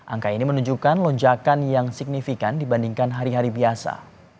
angka ini menunjukkan lonjakan yang signifikan dibandingkan hari hari biasa